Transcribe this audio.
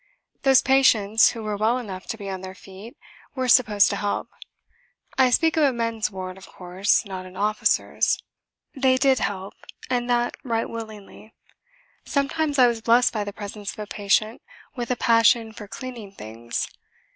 Those patients who were well enough to be on their feet were supposed to help. (I speak of a men's ward, of course, not an officers'.) They did help, and that right willingly. Sometimes I was blessed by the presence of a patient with a passion for cleaning things.